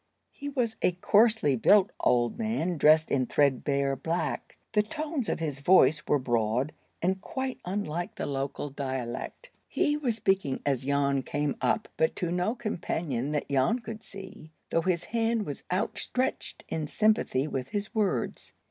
He was a coarsely built old man, dressed in threadbare black. The tones of his voice were broad, and quite unlike the local dialect. He was speaking as Jan came up, but to no companion that Jan could see, though his hand was outstretched in sympathy with his words.